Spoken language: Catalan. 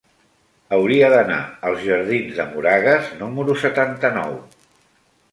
Hauria d'anar als jardins de Moragas número setanta-nou.